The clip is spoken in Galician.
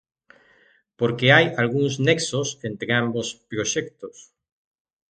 Porque hai algúns nexos entre ambos proxectos.